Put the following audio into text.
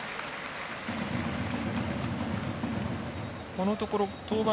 このところ登板